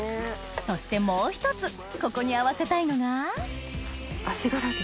そしてもう一つここに合わせたいのが足柄牛。